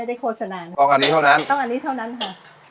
โฆษณาต้องอันนี้เท่านั้นต้องอันนี้เท่านั้นค่ะ